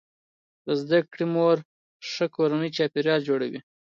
د زده کړې مور ښه کورنی چاپیریال جوړوي.